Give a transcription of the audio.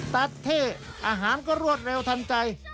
เท่อาหารก็รวดเร็วทันใจ